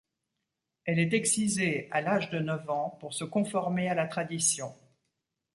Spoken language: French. Elle est excisée à l'âge de neuf ans pour se conformer à la tradition.